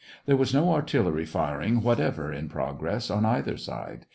There was no artillery firing whatever in prog ress on either side.